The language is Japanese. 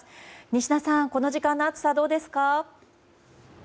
仁科さん、この時間の暑さはどうですか？